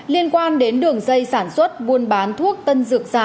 liên quan đến đường dây sản xuất buôn bán thuốc tân dược giả